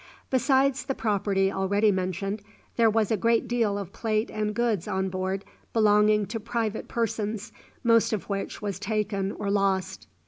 Besides the property already mentioned, there was a great deal of plate and goods on board belonging to private persons, most of which was taken or lost.